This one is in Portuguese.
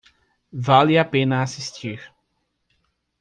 Vale a pena assistir